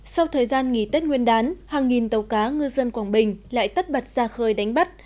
sau thời gian nghỉ tết nguyên đán hàng nghìn tàu cá ngư dân quảng bình lại tất bật ra khơi đánh bắt